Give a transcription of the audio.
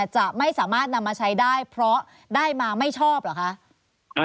จะไม่สามารถนำมาใช้ได้เพราะได้มาไม่ชอบเหรอคะ